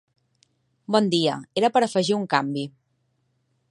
Bon dia, era per afegir un canvi.